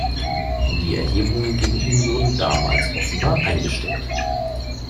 Die Erhebungen gegen ihn wurden damals offenbar eingestellt.